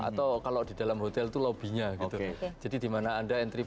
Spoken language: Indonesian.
atau kalau di dalam hotel itu lobbynya gitu